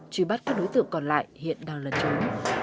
chí bắt các đối tượng còn lại hiện đang lần trốn